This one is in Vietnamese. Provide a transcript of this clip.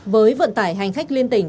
với vận tải hành khách liên tỉnh